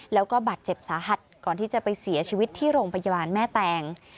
แล้วก็บาดเจ็บสาหัสก่อนที่จะไปเสียชีวิตที่โรงพยาบาลแม่แตง